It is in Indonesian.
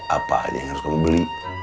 apa aja yang harus kamu beli